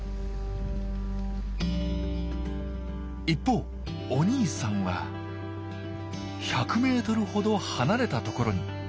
一方お兄さんは１００ｍほど離れたところに。